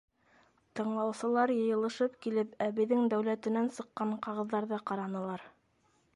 Тыңлаусылар йыйылышып килеп әбейҙең дәүләтенән сыҡҡан ҡағыҙҙарҙы ҡаранылар.